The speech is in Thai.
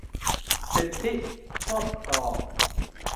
สิทธิครอบครอง